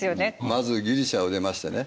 まずギリシアを出ましてね